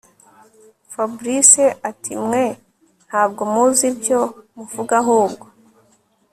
Fabric atimwe ntabwo muzi ibyo muvuga ahubwo